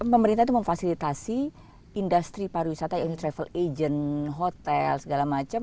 pemerintah itu memfasilitasi industri pariwisata yang travel agent hotel segala macam